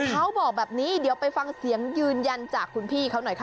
เขาบอกแบบนี้เดี๋ยวไปฟังเสียงยืนยันจากคุณพี่เขาหน่อยค่ะ